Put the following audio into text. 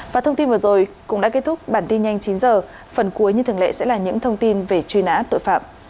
và thông tin vừa rồi cũng đã kết thúc bản tin nhanh chín h phần cuối như thường lệ sẽ là những thông tin về truy nã tội phạm